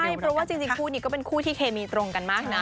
ใช่เพราะว่าจริงคู่นี้ก็เป็นคู่ที่เคมีตรงกันมากนะ